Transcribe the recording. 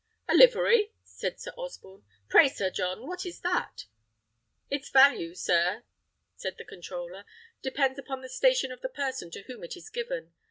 "A livery!" said Sir Osborne; "pray, Sir John, what is that?" "Its value, sir," said the controller, "depends upon the station of the person to whom it is given.